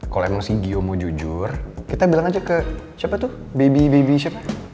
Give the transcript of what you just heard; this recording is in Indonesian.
kalau emang si gio mau jujur kita bilang aja ke siapa tuh baby baby siapa